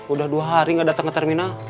udah dua hari gak datang ke terminal